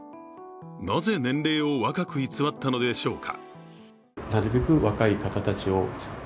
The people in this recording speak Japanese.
なぜ年齢を若く偽ったのでしょうか。